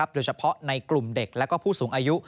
โดยเฉพาะในกลุ่มเด็กและผู้สูงอายุ